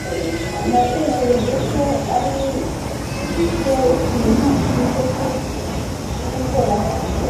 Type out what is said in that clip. Natekereje ko aricyo kintu cyiza cyo gukora.